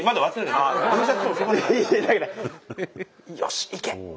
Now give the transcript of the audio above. よしいけ。